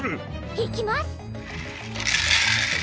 いきます！